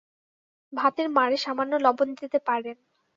ভাতের মাড়ে সামান্য লবণ দিতে পারেন।